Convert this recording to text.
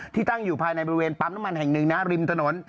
ตั้งอยู่ภายในบริเวณปั๊มน้ำมันแห่งหนึ่งนะริมถนน